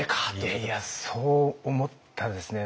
いやいやそう思ったんですね。